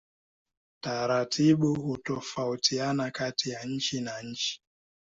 Taratibu hutofautiana kati ya nchi na nchi.